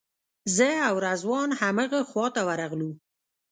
زه او رضوان همغه خواته ورغلو.